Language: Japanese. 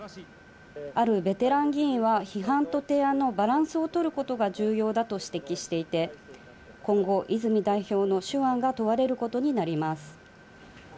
あるベテラン議員は批判と提案のバランスを取ることが重要だと指摘していて、今後、泉代表の手腕が問われることになります。